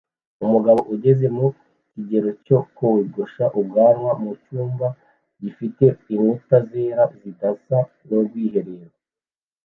Umugabo ugeze mu kigero cyo kogosha ubwanwa mu cyumba gifite inkuta zera zidasa n'ubwiherero